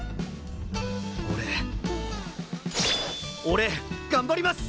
俺俺頑張ります！